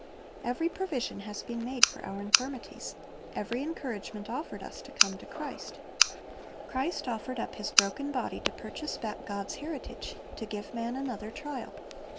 ^ Every provision has been made for our infir mities, every encouragement offered us to come to Christ. Christ offered up His broken body to purchase back God's heritage, to give man another trial.